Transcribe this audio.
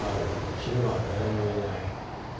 昼間は誰もいない」